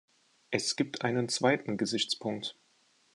Es gibt einen zweiten Gesichtspunkt.